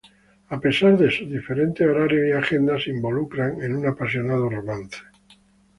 A pesar de sus diferentes horarios y agenda, se involucran en un apasionado romance.